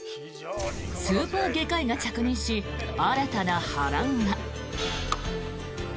スーパー外科医が着任し新たな波乱が。